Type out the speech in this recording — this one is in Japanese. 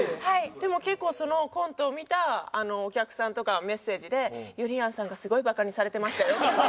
でも結構そのコントを見たお客さんとかがメッセージで「ゆりやんさんがすごいバカにされてましたよ」。